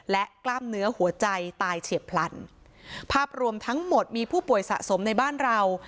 และกล้ามเนื้อหัวใจตายเฉียบพลันภาพรวมทั้งหมดมีผู้ป่วยสะสมในบ้านเรา